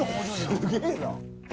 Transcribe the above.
すげえな。